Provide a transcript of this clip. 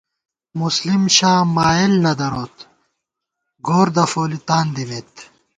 مُسلم شاہ، مائیل نہ دَروت، گور دفولی تاندِمېت